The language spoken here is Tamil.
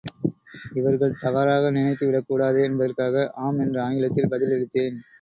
இவர்கள் தவறாக நினைத்து விடக் கூடாதே என்பதற்காக, ஆம் என்று ஆங்கிலத்தில் பதில் அளித்தேன்.